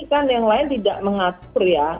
kan yang lain tidak mengatur ya